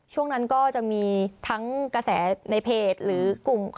ช่วงนั้นก็จะมีทั้งกระแสในเพจหรือกลุ่ม